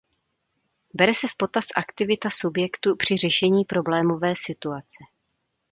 Bere se v potaz aktivita subjektu při řešení problémové situace.